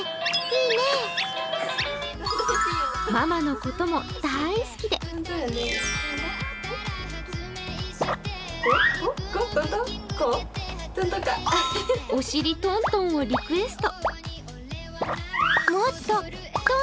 ママのことも大好きでお尻トントンをリクエスト。